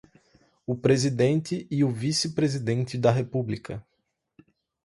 o presidente e o vice-presidente da República